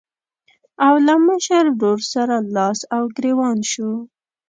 او له مشر ورور سره لاس او ګرېوان شو.